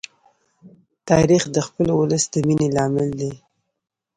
تاریخ د خپل ولس د مینې لامل دی.